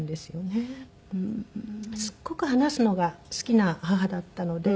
すごく話すのが好きな母だったので。